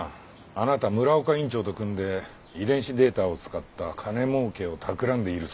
あなた村岡院長と組んで遺伝子データを使った金儲けをたくらんでいるそうですね。